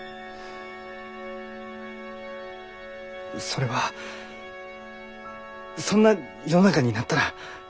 それはそんな世の中になったら。